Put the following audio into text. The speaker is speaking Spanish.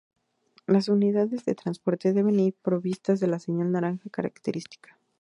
Las unidades de transporte deben ir provistas de la señal naranja característica.